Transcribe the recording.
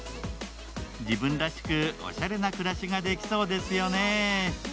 自分らしくおしゃれな暮らしができそうですよね。